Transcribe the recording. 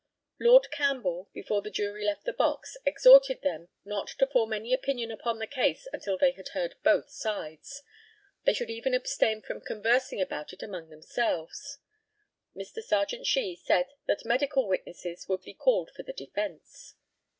Lord CAMPBELL, before the jury left the box, exhorted them not to form any opinion upon the case until they had heard both sides. They should even abstain from conversing about it among themselves. Mr. Serjeant SHEE said that medical witnesses would be called for the defence.